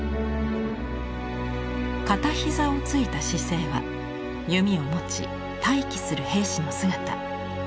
片膝をついた姿勢は弓を持ち待機する兵士の姿。